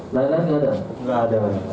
itu aja lain lain gak ada